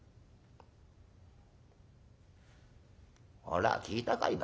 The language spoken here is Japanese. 「ほら聞いたかい？